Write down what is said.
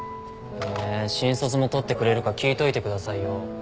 えー新卒も採ってくれるか聞いといてくださいよ。